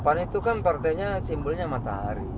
pan itu kan partainya simbolnya matahari